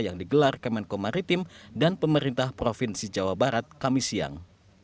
yang digelar kemenko maritim dan pemerintah provinsi jawa barat kami siang